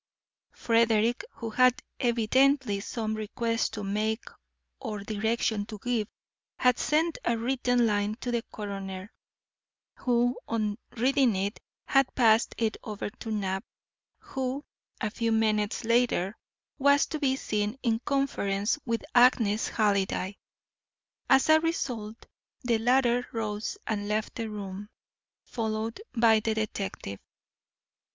Frederick, who had evidently some request to make or direction to give, had sent a written line to the coroner, who, on reading it, had passed it over to Knapp, who a few minutes later was to be seen in conference with Agnes Halliday. As a result, the latter rose and left the room, followed by the detective.